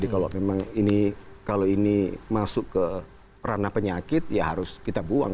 kalau memang kalau ini masuk ke ranah penyakit ya harus kita buang